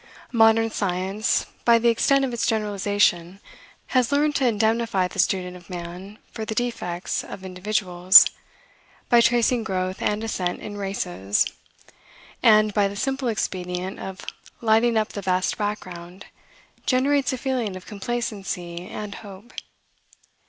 Modern science, by the extent of its generalization, has learned to indemnify the student of man for the defects of individuals, by tracing growth and ascent in races; and, by the simple expedient of lighting up the vast background, generates a feeling of complacency and hope.